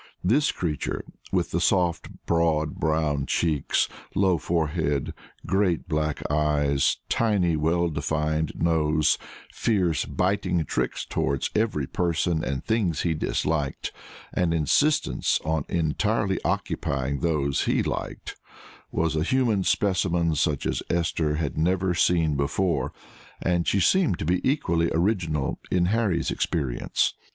This creature, with the soft, broad, brown cheeks, low forehead, great black eyes, tiny, well defined nose, fierce, biting tricks toward every person and thing he disliked, and insistence on entirely occupying those he liked, was a human specimen such as Esther had never seen before, and she seemed to be equally original in Harry's experience.